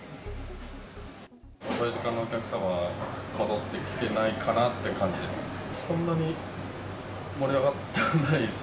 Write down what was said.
遅い時間のお客様が戻ってきてないかなって感じです。